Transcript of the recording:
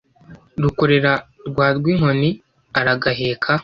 rukorera rwa rwinkoni aragaheka.